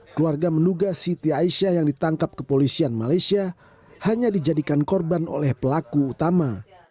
keluarga menduga siti aisyah yang ditangkap kepolisian malaysia hanya dijadikan korban oleh pelaku utama